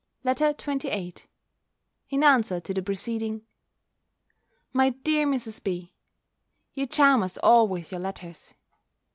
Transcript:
] LETTER XXVIII In answer to the preceding MY DEAR MRS. B., You charm us all with your letters.